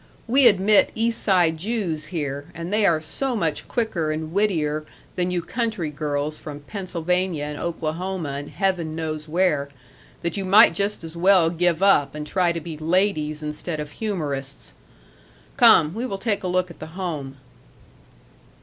We admit East Side Jews here and they are so much quicker and wittier than you country girls from Pennsylvania and Oklahoma, and Heaven knows where, that you might just as well give up and try to be ladies instead of humorists. Come, we will take a look at the Home."